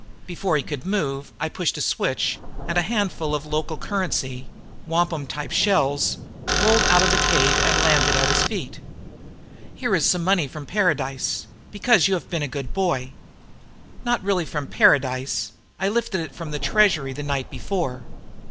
Before he could move, I pushed a switch and a handful of the local currency, wampum type shells, rolled out of the cave and landed at his feet. "Here is some money from paradise, because you have been a good boy." Not really from paradise I had lifted it from the treasury the night before.